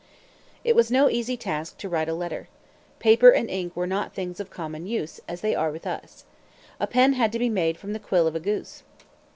It was no easy task to write a letter. Paper and ink were not things of common use, as they are with us. A pen had to be made from the quill of a goose.